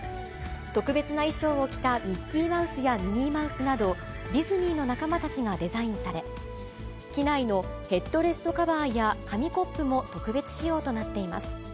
特別な衣装を着たミッキーマウスやミニーマウスなど、ディズニーの仲間たちがデザインされ、機内のヘッドレストカバーや、紙コップも特別仕様となっています。